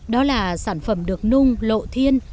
đó là sản phẩm được nung lộ thiên